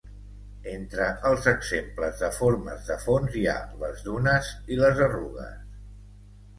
Entre els exemples de formes de fons hi ha les dunes i les arrugues.